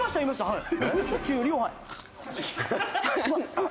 はい。